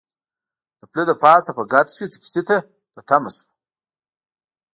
د پله د پاسه په ګرد کې ټکسي ته په تمه شوو.